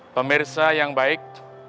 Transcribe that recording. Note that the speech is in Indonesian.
pemirsa yang baik